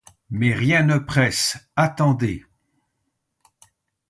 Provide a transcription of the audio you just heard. Mais rien ne presse, attendez.